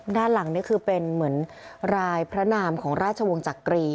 ด้านหลังนี่คือเป็นเหมือนรายพระนามของราชวงศ์จักรี